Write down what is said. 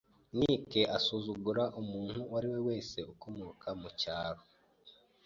Nick asuzugura umuntu uwo ari we wese ukomoka mu cyaro.